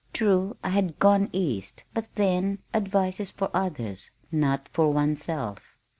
True, I had gone east but then, advice is for others, not for oneself.